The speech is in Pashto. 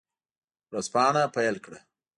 ورځپاڼه پیل کړه.